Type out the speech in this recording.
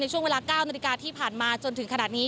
ช่วงเวลา๙นาฬิกาที่ผ่านมาจนถึงขนาดนี้